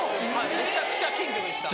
めちゃくちゃ近所でした。